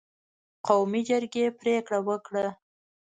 قومي جرګې پرېکړه وکړه